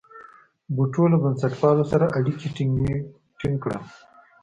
بوټو له بنسټپالو سره اړیکي ټینګ کړل.